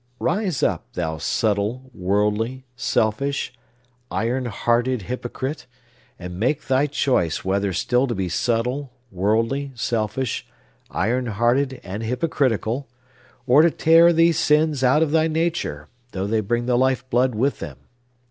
Rise up, thou subtle, worldly, selfish, iron hearted hypocrite, and make thy choice whether still to be subtle, worldly, selfish, iron hearted, and hypocritical, or to tear these sins out of thy nature, though they bring the lifeblood with them!